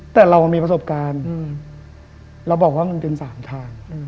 แต่เรามีประสบการณ์เราบอกว่ามันเป็น๓ทาง